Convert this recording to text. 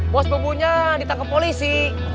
bos bebunya ditangkap polisi